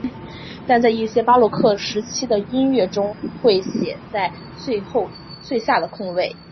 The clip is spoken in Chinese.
但在一些巴洛克时期的音乐中会写在最下的空位。